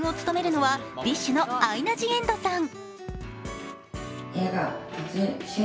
映画の主演を務めるのはＢｉＳＨのアイナ・ジ・エンドさん。